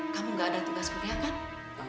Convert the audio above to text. kamu gak ada tugas kuriakan